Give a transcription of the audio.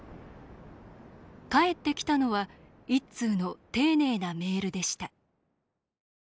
返ってきたのは１通の丁寧なメールでした。